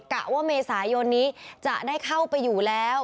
กะว่าเมษายนนี้จะได้เข้าไปอยู่แล้ว